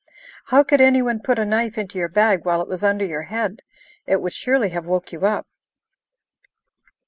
How could any one put a knife into your bag while it was under your head? It would surely have woke you up."